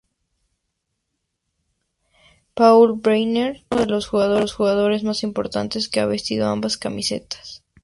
Paul Breitner fue uno de los jugadores más importante que ha vestido ambas camisetas.